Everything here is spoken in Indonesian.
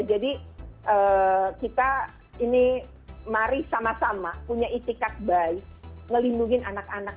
kita ini mari sama sama punya itikat baik ngelindungi anak anak